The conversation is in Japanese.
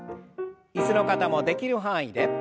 椅子の方もできる範囲で。